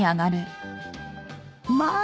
まあ！